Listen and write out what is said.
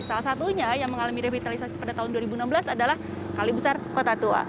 salah satunya yang mengalami revitalisasi pada tahun dua ribu enam belas adalah kali besar kota tua